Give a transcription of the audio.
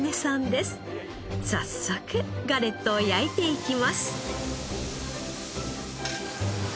早速ガレットを焼いていきます。